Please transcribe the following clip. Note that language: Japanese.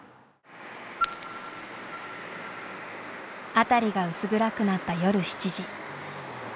辺りが薄暗くなった夜７時。